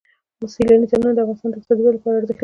سیلانی ځایونه د افغانستان د اقتصادي ودې لپاره ارزښت لري.